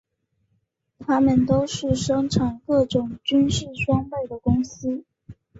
它们都是生产各种军事装备的公司。